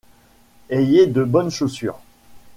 Ayez de bonnes chaussures.